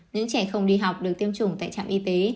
những trẻ không đi học được tiêm chủng tại trạm y tế